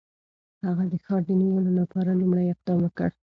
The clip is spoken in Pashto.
هغه د ښار د نیولو لپاره لومړی اقدام وکړ.